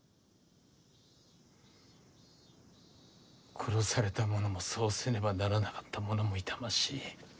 殺された者もそうせねばならなかった者も痛ましい。